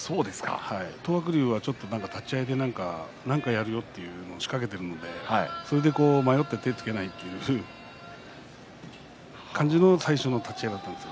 東白龍は立ち合いで何かやるよと仕掛けているのでそれで迷って手をつけないという感じの最初の立ち合いでした。